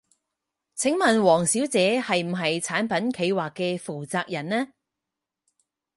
請問王小姐係唔係產品企劃嘅負責人呢？